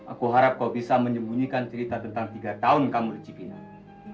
aku harap kau bisa menyembunyikan cerita tentang tiga tahun kamu di cipinang